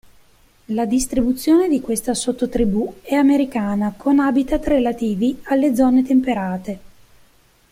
La distribuzione di questa sottotribù è americana con habitat relativi alle zone temperate.